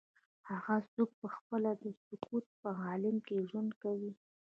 هغه څوک چې پخپله د سکوت په عالم کې ژوند کوي.